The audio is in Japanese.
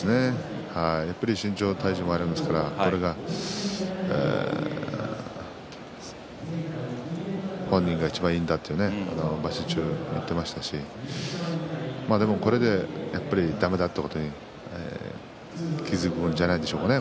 やっぱり身長、体重がありますから本人がいちばんいいんだと場所中言っていましたしこれでだめだということに気付くんじゃないでしょうかね。